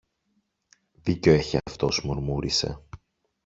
Δίκιο έχει αυτός, μουρμούρισε.